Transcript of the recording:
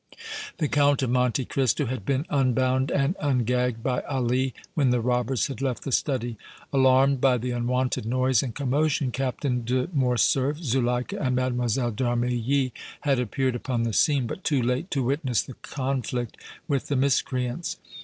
The Count of Monte Cristo had been unbound and ungagged by Ali when the robbers had left the study. Alarmed by the unwonted noise and commotion, Captain de Morcerf, Zuleika and Mlle. d' Armilly had appeared upon the scene, but too late to witness the conflict with the miscreants.